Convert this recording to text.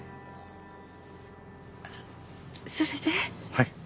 はい。